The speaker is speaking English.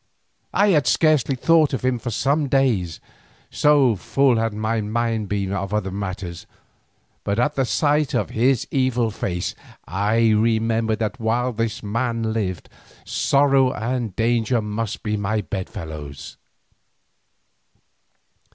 I had scarcely thought of him for some days, so full had my mind been of other matters, but at the sight of his evil face I remembered that while this man lived, sorrow and danger must be my bedfellows.